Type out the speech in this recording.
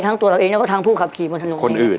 ตัวเราเองแล้วก็ทั้งผู้ขับขี่บนถนนคนอื่น